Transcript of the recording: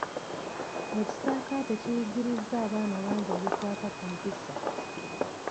Ekisaakate kiyigirizza abaana bangi ebikwata ku mpisa.